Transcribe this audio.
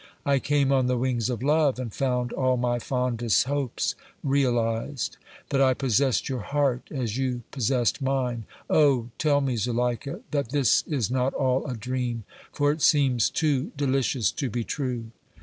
I came on the wings of love and found all my fondest hopes realized; that I possessed your heart as you possessed mine. Oh! tell me, Zuleika, that this is not all a dream, for it seems too delicious to be true!"